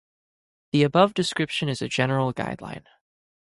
The above description is a general guideline.